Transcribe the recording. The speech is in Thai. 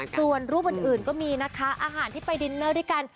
ส่วนรูปอื่นก็มีนะคะอาหารที่ไปดินเนอร์ด้วยกัน